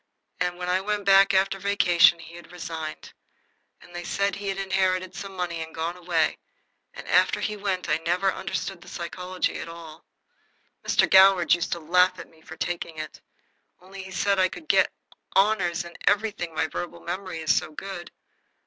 And when I went back after vacation he had resigned, and they said he had inherited some money and gone away, and after he went I never understood the psychology at all. Mr. Goward used to laugh at me for taking it, only he said I could get honors in anything, my verbal memory is so good.